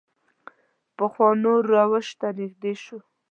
پخوانو روش ته نږدې شو.